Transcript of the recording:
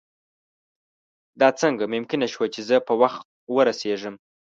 دا څنګه ممکنه شوه چې زه په وخت ورسېږم.